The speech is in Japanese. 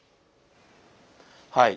はい。